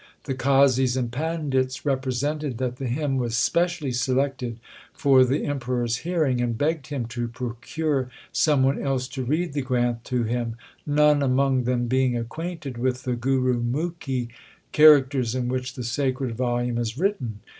The qazis and pandits represented that the hymn was specially selected for the Emperor s hearing, and begged him to procure some one else to read the Granth to him, none among them being acquainted with the Gurumukhi charac ters in which the sacred volume is written.